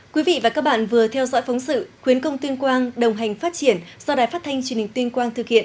quý vị và các bạn vừa theo dõi phóng sự khuyến công tuyên quang đồng hành phát triển do đài phát thanh truyền hình tuyên quang thực hiện